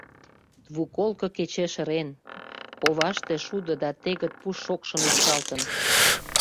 Двуколко кечеш ырен, коваште, шудо да тегыт пуш шокшын ӱпшалтын.